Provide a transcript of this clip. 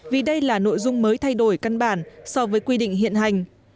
vì đây là nội dung mới thay đổi căn bản so với quy định hiện hành